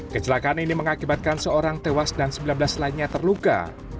kecelakaan ini mengakibatkan seorang tewas dan sembilan belas lainnya terluka